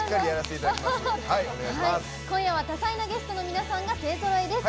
今夜は多才なゲストの皆さんが勢ぞろいです。